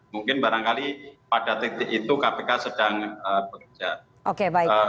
mungkin barangkali pada titik itu kpk sedang bekerja